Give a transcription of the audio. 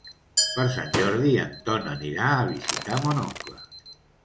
Per Sant Jordi en Ton anirà a visitar mon oncle.